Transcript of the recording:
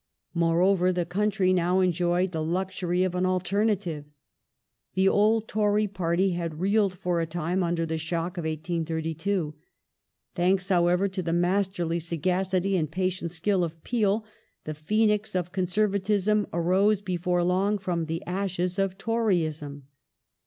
Moreover, the country now enjoyed the luxury of an alternative. The old Tory party had reeled for a time under the shock of 1832. Thanks, how ever, to the masterly sagacity and patient skill of Peel, the phoenix of Conservatism arose before long from the ashes of Toryism.